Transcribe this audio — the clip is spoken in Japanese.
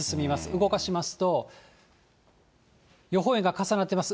動かしますと、予報円が重なってます。